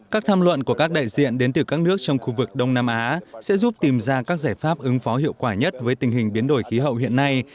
các tham luận của các đại diện đến từ các nước trong khu vực đông nam á sẽ giúp tìm ra các giải pháp ứng phó hiệu quả nhất với tình hình biến đổi khí hậu hiện nay